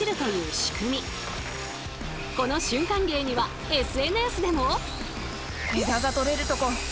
この瞬間芸にはＳＮＳでも。